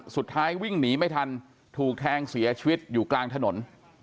สุดท้ายวิ่งหนีไม่ทันถูกแทงเสียชีวิตอยู่กลางถนน